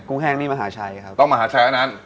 ปุ้งแห้งนี่มหาชัยครับ